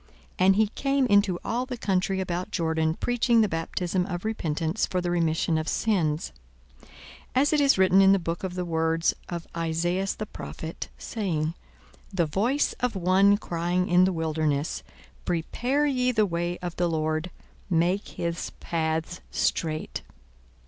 42:003:003 And he came into all the country about Jordan, preaching the baptism of repentance for the remission of sins; 42:003:004 As it is written in the book of the words of Esaias the prophet, saying, The voice of one crying in the wilderness, Prepare ye the way of the Lord, make his paths straight.